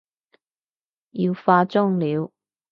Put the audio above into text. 要化妝了